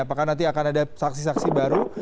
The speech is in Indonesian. apakah nanti akan ada saksi saksi baru